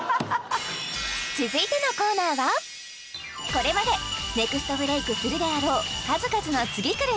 これまでネクストブレイクするであろう数々の次くる！